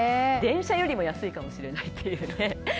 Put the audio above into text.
電車よりも安いかもしれないというね。